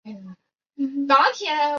可是要长达十小时就不行了